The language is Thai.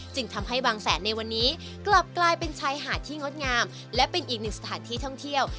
จึงทำให้บางแสนในวันนี้กลับกลายเป็นชายหาดที่งดงามและเป็นอีกหนึ่งสถานที่ท่องเที่ยว